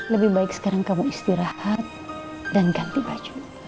lebih baik sekarang kamu istirahat dan ganti baju